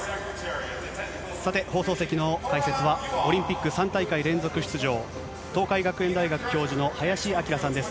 さて、放送席の解説は、オリンピック３大会連続出場、東海学園大学教授の林あきらさんです。